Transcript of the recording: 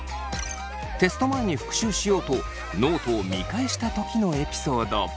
テスト前に復習しようとノートを見返した時のエピソード。